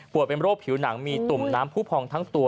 เป็นโรคผิวหนังมีตุ่มน้ำผู้พองทั้งตัว